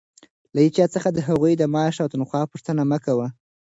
له هېچا څخه د هغوى د معاش او تنخوا پوښتنه مه کوئ!